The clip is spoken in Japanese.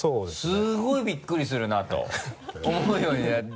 すごいビックリするなと思うようになって。